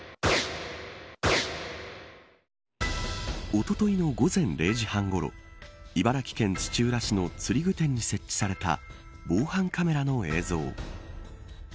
おとといの午前０時半ごろ茨城県土浦市の釣具店に設置された防犯カメラの映像。